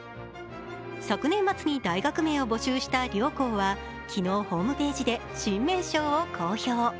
昨年末に大学名を募集した両校は、昨日、ホームページで新名称を公表。